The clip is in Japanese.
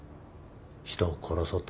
人を殺そうってときは。